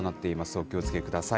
お気をつけください。